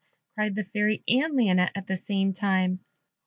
cried the Fairy and Lionette at the same time.